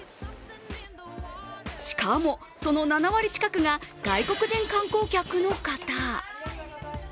しかも、その７割近くが外国人観光客の方。